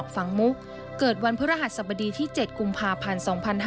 ฝังมุกเกิดวันพระรหัสสบดีที่๗กุมภาพันธ์๒๕๕๙